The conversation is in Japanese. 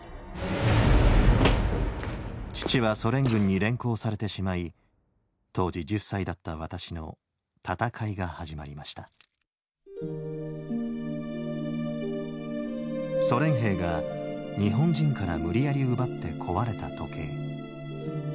父はソ連軍に連行されてしまい当時１０歳だった私の闘いが始まりましたソ連兵が日本人から無理やり奪って壊れた時計。